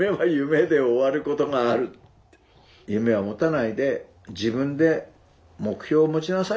夢は持たないで自分で目標を持ちなさい。